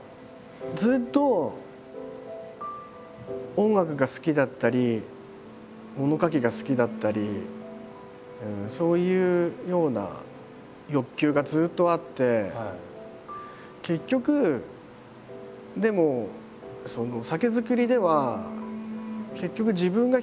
ずっと音楽が好きだったり物書きが好きだったりそういうような欲求がずっとあって結局でもああそうですか？